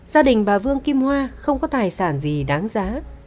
gia đình bà vương kim hoa không có tài sản gì đáng giá